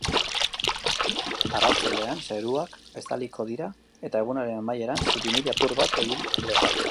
Arratsaldean zeruak estaliko dira eta egunaren amaieran zirimiri apur bat egin lezake.